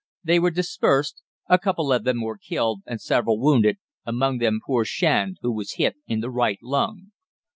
They were dispersed, a couple of them were killed, and several wounded, among them poor Shand, who was hit in the right lung.